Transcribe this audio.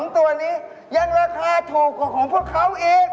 ตัวนี้ยังราคาถูกกว่าของพวกเขาอีก